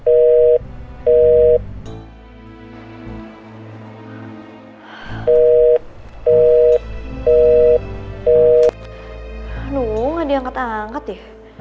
aduh diangkat angkat ya